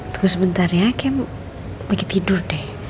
tunggu sebentar ya kayaknya lagi tidur deh